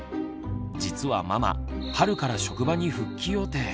実はママ春から職場に復帰予定。